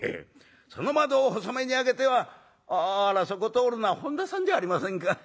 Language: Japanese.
その窓を細めに開けては『あらそこ通るのは本多さんじゃありませんか。